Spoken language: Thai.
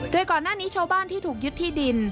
โดยก่อนหน้านี้ชาวบ้านที่ถูกยึดที่ดิน